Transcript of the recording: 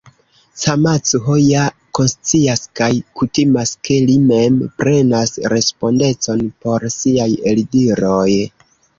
Camacho ja konscias kaj kutimas ke li mem prenas respondecon por siaj eldiroj.